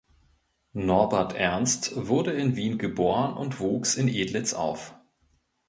Norbert Ernst wurde in Wien geboren und wuchs in Edlitz auf.